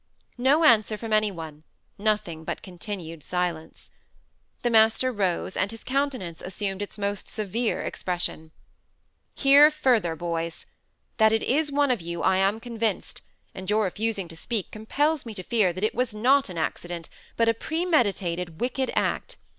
No answer from any one; nothing but continued silence. The master rose, and his countenance assumed its most severe expression. "Hear further, boys. That it is one of you, I am convinced; and your refusing to speak compels me to fear that it was not an accident, but a premeditated, wicked act.